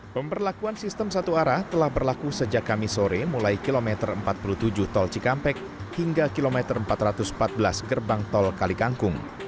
pemberlakuan sistem satu arah telah berlaku sejak kami sore mulai kilometer empat puluh tujuh tol cikampek hingga kilometer empat ratus empat belas gerbang tol kalikangkung